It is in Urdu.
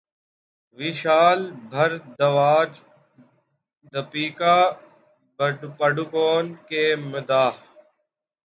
ویشال بھردواج دپیکا پڈوکون کے مداح